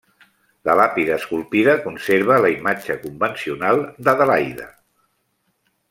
La làpida esculpida conserva la imatge convencional d'Adelaide.